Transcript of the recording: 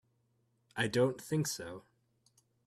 I don't think so.